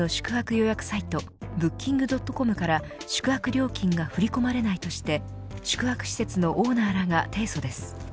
予約サイトブッキングドットコムから宿泊料金が振り込まれないとして宿泊施設のオーナーらが提訴です。